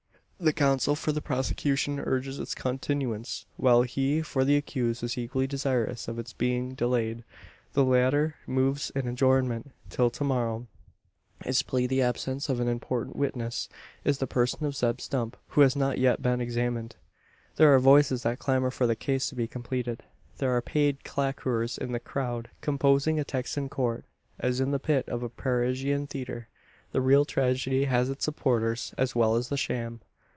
The counsel for the prosecution urges its continuance; while he for the accused is equally desirous of its being delayed. The latter moves an adjournment till to morrow; his plea the absence of an important witness in the person of Zeb Stump, who has not yet been examined. There are voices that clamour for the case to be completed. There are paid claquers in the crowd composing a Texan Court, as in the pit of a Parisian theatre. The real tragedy has its supporters, as well as the sham!